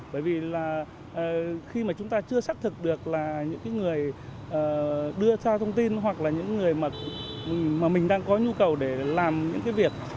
bởi vì là khi mà chúng ta chưa xác thực được là những người đưa ra thông tin hoặc là những người mà mình đang có nhu cầu để làm những cái việc